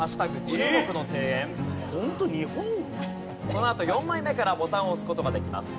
このあと４枚目からボタンを押す事ができます。